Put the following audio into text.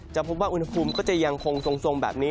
พบว่าอุณหภูมิก็จะยังคงทรงแบบนี้